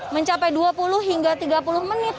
mencapai dua puluh hingga tiga puluh menit